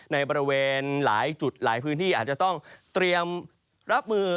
ในบริเวณหลายจุดหลายพื้นที่อาจจะต้องเตรียมรับมือ